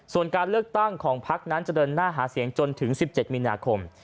ส่วนการเลือกตั้งของพักนั้นจะเดินหน้าหาเสียงจนถึง๑๗มีนาคม